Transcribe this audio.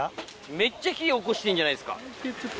めっちゃ火おこしてるんじゃないですか。